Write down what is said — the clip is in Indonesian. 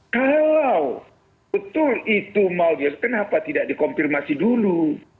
kalau betul itu maudius kenapa tidak dikomplimasi dulu